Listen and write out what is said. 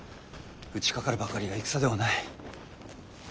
打ちかかるばかりが戦ではない。